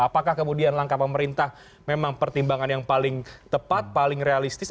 apakah kemudian langkah pemerintah memang pertimbangan yang paling tepat paling realistis